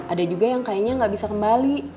ada juga yang kayaknya nggak bisa kembali